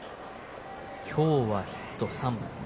今日はヒット３本。